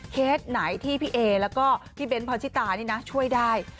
ไหนที่พี่เอแล้วก็พี่เบ้นพรชิตานี่นะช่วยได้